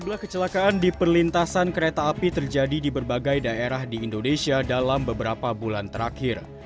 sebelah kecelakaan di perlintasan kereta api terjadi di berbagai daerah di indonesia dalam beberapa bulan terakhir